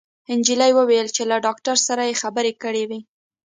انجلۍ وويل چې له داکتر سره يې خبرې کړې وې